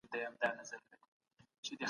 فارابي په خپل کتاب کي مهم نظرونه وړاندې کړي دي.